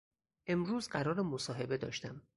امروز قرار مصاحبه داشتم